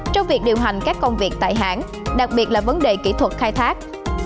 trong việc điều hành các công việc tại hãng đặc biệt là vấn đề kỹ thuật khai thác